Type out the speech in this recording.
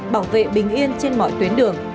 bảo vệ bình yên trên mọi tuyến đường